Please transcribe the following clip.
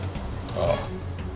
ああ。